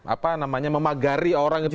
apa namanya memagari orang itu